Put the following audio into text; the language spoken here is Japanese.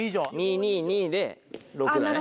２２２で６だね。